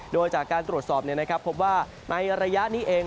โดยจากการตรวจสอบพบว่าในระยะนี้เอง